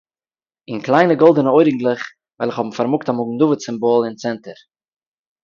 און קליינע גאָלדענע אוירינגלעך וועלכע האָבן פאַרמאָגט אַ מגן דוד סימבאָל אין צענטער